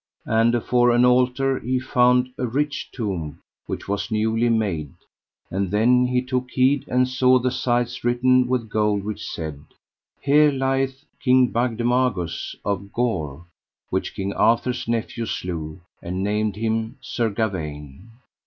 And afore an altar he found a rich tomb, which was newly made; and then he took heed, and saw the sides written with gold which said: Here lieth King Bagdemagus of Gore, which King Arthur's nephew slew; and named him, Sir Gawaine.